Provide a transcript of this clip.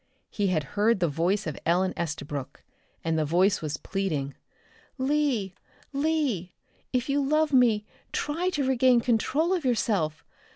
He had heard the voice of Ellen Estabrook, and the voice was pleading. "Lee! Lee! If you love me try to regain control of yourself.